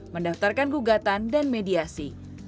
mendaftarkan gugatan dan mediasi